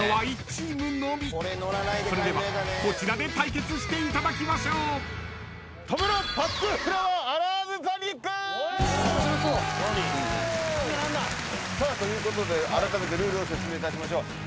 ［それではこちらで対決していただきましょう］ということであらためてルールを説明いたしましょう。